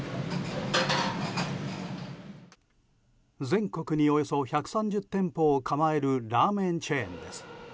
全国におよそ１３０店舗を構えるラーメンチェーンです。